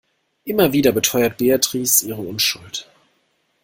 Immer wieder beteuert Beatrix ihre Unschuld.